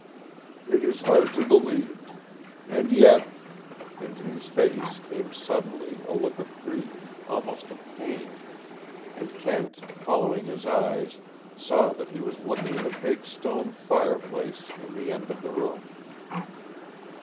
It is hard to believe. And yet " Into his face came suddenly a look of grief, almost of pain, and Kent, following his eyes, saw that he was looking at a big stone fireplace in the end of the room.